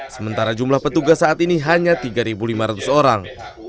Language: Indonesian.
sementara jumlah petugas saat ini hanya tiga lima ratus orang